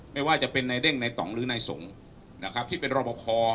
ไม่ว่าจะเป็นนายเด้งในต่องหรือนายสงฆ์นะครับที่เป็นรอบพอ